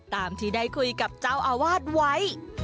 ตามที่ได้คุยกับเจ้าอาวาสไว้